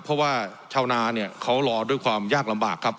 เพราะว่าชาวนาเนี่ยเขารอด้วยความยากลำบากครับ